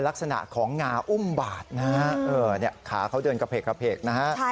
ลักษณะของงาอุ้มบาดนะฮะขาเขาเดินกระเพกกระเพกนะฮะ